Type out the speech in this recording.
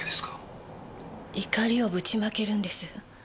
怒りをぶちまけるんです。